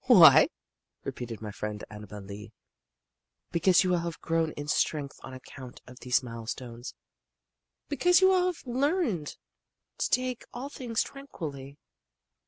"Why?" repeated my friend Annabel Lee. "Because you will have grown in strength on account of these milestones; because you will have learned to take all things tranquilly.